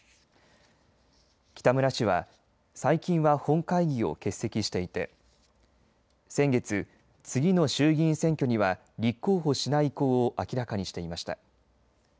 北村氏は最近は本会議を欠席していて先月、次の衆議院選挙には立候補しない意向を明らかにしていました。